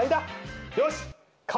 よし！